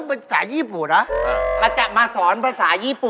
เพราะอยู่เมืองไทยเขาใช้คัตชะธาเทพ